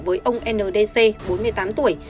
với ông ndc bốn mươi tám tuổi